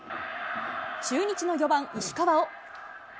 中日の４番石川を。